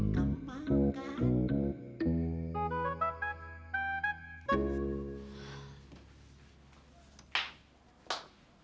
kamu paham kan